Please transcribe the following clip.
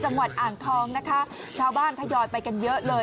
จังหวัดอังค้องนะคะชาวบ้านค่ะย่อไปกันเยอะเลย